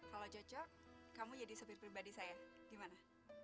kalau cocok kamu jadi sopir pribadi saya gimana